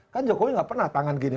kan jokowi nggak pernah tangan gini